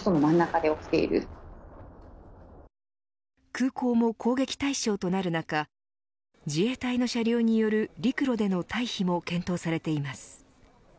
空港も攻撃対象となる中自衛隊の車両による、陸路での退避も検討されています。